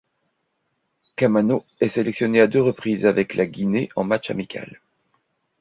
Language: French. Kamano est sélectionné à deux reprises avec la Guinée en match amical.